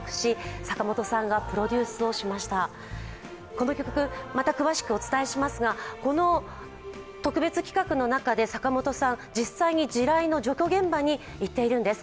この曲、また詳しくお伝えしますが、この特別企画の中で坂本さん実際に地雷の除去現場に行っているんです。